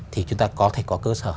thì chúng ta có thể có cơ sở